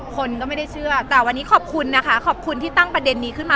คนก็ไม่ได้เชื่อแต่วันนี้ขอบคุณนะคะขอบคุณที่ตั้งประเด็นนี้ขึ้นมา